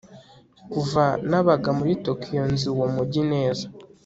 Kuva nabaga muri Tokiyo nzi uwo mujyi neza